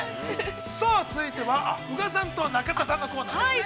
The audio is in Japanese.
さあ続いては、宇賀さんと中田さんのコーナーですね。